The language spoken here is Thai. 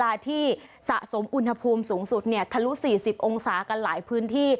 ฮัลโหลฮัลโหลฮัลโหลฮัลโหล